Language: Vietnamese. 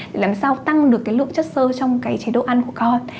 để làm sao tăng được lượng chất sơ trong chế độ ăn của con